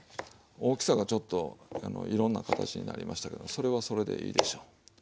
大きさがちょっといろんな形になりましたけどそれはそれでいいでしょう。